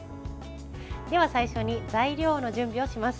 では最初に材料の準備をします。